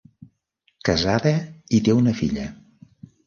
Casada i té una filla.